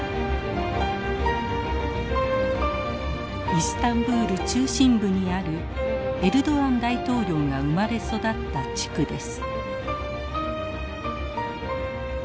イスタンブール中心部にあるエルドアン大統領が生まれ育った地区です。